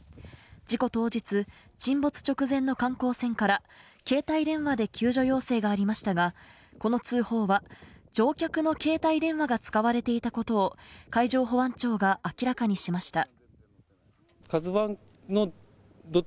事故当日、沈没直前の観光船から携帯電話で救助要請がありましたがこの通報は、乗客の携帯電話が使われていたことを海上保安庁が明らかにしました。